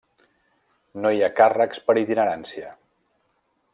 No hi ha càrrecs per itinerància.